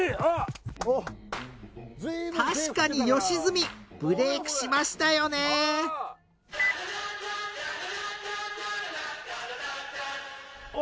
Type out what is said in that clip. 確かに吉住ブレイクしましたよねお！